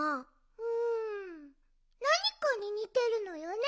うんなにかににてるのよね。